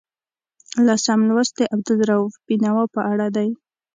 لسم لوست د عبدالرؤف بېنوا په اړه دی.